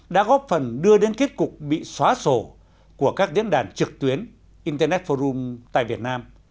đã góp phần đưa đến kết cục bị xóa sổ của các diễn đàn trực tuyến internet forum tại việt nam